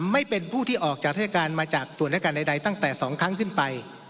ไม่เป็นผู้ที่ออกจากราชการมาจากส่วนรายการใดตั้งแต่๒ครั้งขึ้นไป